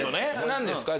何ですか？